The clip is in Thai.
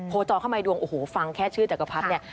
โพจอร์เข้ามาในดวงฟังแค่ชื่อจักรพรรดิ